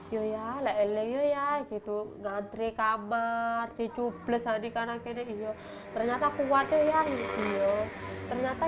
yoyalai leo ya gitu ngantri kabar dicuples adhika nangkini ternyata kuat ya ternyata